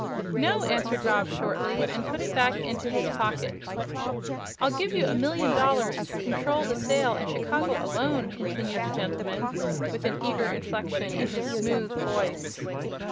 "No," answered Rob, shortly, and put it back into his pocket. "I'll give you a million dollars to control the sale in Chicago alone," continued the gentleman, with an eager inflection in his smooth voice.